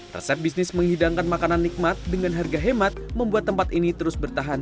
resep bisnis menghidangkan makanan nikmat dengan harga hemat membuat tempat ini terus bertahan